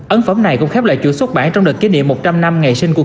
ấn phẩm này cũng khép lại chủ xuất bản trong đợt kỷ niệm một trăm linh năm ngày sinh của